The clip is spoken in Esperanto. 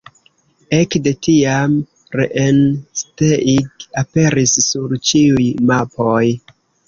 Ekde tiam Rennsteig aperis sur ĉiuj mapoj.